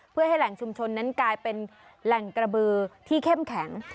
เพื่อให้แหล่งชุมชนนั้นกลายเป็นแหล่งกระบือที่เข้มแข็ง